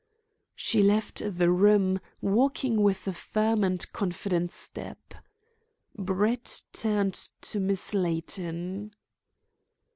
She left the room, walking with a firm and confident step. Brett turned to Miss Layton.